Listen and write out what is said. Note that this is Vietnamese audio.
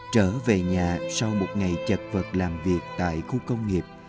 trở về nhà sau một ngày chật vật làm việc tại khu công nghiệp